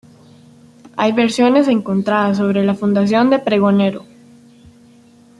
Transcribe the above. Hay versiones encontradas sobre la fundación de Pregonero.